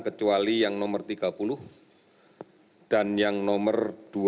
kecuali yang nomor tiga puluh dan yang nomor dua puluh